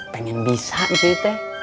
pengen bisa sih teh